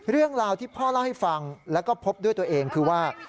เรื่องราวที่พ่อเล่าให้ฟังแล้วก็พบด้วยตัวเองคือว่า